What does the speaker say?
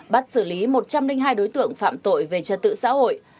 bắt xử lý một trăm linh hai đối tượng phạm tội về trật tự xã hội